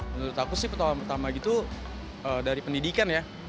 menurut aku sih pertolongan pertama itu dari pendidikan ya